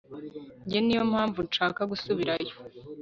Njye niyo mpamvu nshaka gusubirayo